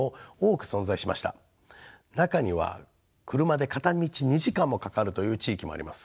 中には車で片道２時間もかかるという地域もあります。